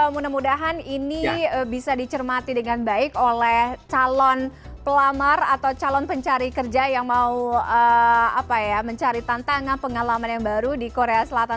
mudah mudahan ini bisa dicermati dengan baik oleh calon pelamar atau calon pencari kerja yang mau mencari tantangan pengalaman yang baru di korea selatan